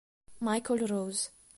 Michael Rose